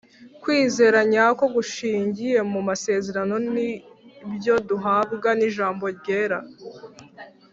. Kwizera nyako gushingiye mu masezerano n’ibyo duhabwa n’ijambo ryera.